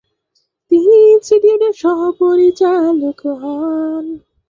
তিনি ইনস্টিটিউটের সহ-পরিচালকও হন।